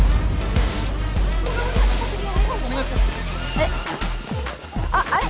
えっあっあれ？